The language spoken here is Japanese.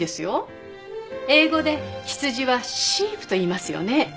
英語で羊は「シープ」と言いますよね。